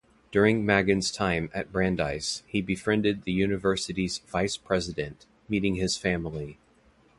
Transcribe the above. During Maggin's time at Brandeis, he befriended the university's vice-president, meeting his family.